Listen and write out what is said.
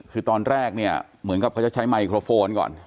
คือตอนแรกเนี่ยเหมือนกับเขาจะใช้ไมโครโฟนก่อน